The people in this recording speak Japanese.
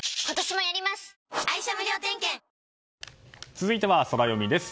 続いてはソラよみです。